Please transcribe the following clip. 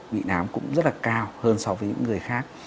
vị nám cũng rất là cao hơn so với những người khác